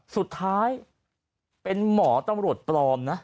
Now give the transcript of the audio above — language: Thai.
สุดท้ายเป็นหมอตำรวจปลอมนะ